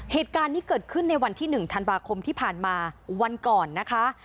เหตุการณ์นี้เกิดขึ้นในวันที่๑ธันวาคมที่ผ่านมาวันก่อนนะคะ